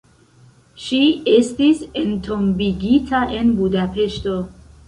Ŝi estis entombigita en Budapeŝto.